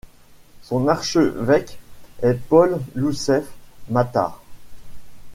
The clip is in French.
Son archévêque est Paul Youssef Matar.